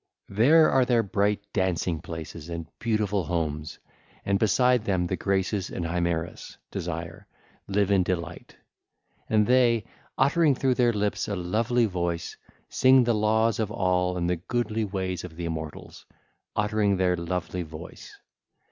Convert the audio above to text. There are their bright dancing places and beautiful homes, and beside them the Graces and Himerus (Desire) live in delight. And they, uttering through their lips a lovely voice, sing the laws of all and the goodly ways of the immortals, uttering their lovely voice.